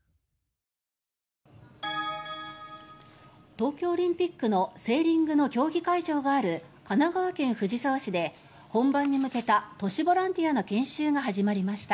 東京オリンピックのセーリングの競技会場がある神奈川県藤沢市で本番に向けた都市ボランティアの研修が始まりました。